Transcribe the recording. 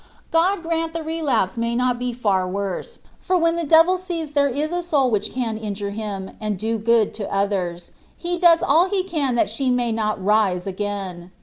God grant the relapse may not be far worse; for when the devil sees there is a soul which can injure him, and do good to others, he does all he can that she may not rise again.